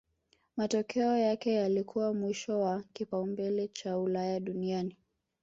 Matokeo yake yalikuwa mwisho wa kipaumbele cha Ulaya duniani